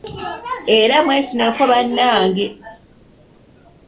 Era mwesuneko bannange.